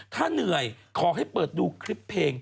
ถ้าเหนื่อยขอให้เปิดดูคลิปเพลง